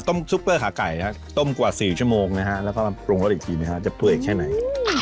ต้มซุปเปอร์ขาไก่ต้มกว่า๔ชั่วโมงแล้วก็ปลงรสอีกทีจะเปลือกแค่ไหน